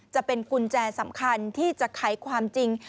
จะเป็นกุญแจสำคัญที่จะไขความจริง